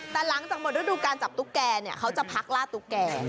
แต่หลังจากหมดฤดูการจับตุ๊กแกเนี่ยเขาจะพักล่าตุ๊กแก่